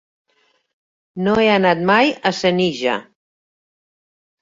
No he anat mai a Senija.